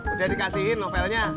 udah dikasihin novelnya